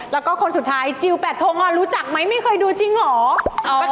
แล้วก็คนสุดท้ายจิล๘ทงรู้จักไหมไม่เคยดูจริงเหรอ